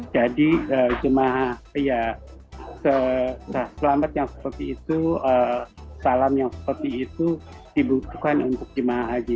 jadi jemaah selamat yang seperti itu salam yang seperti itu dibutuhkan untuk jemaah haji